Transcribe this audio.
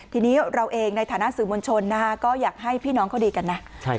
ทีนี้เราเองในฐานะสื่อมวลชนนะคะก็อยากให้พี่น้องเขาดีกันนะ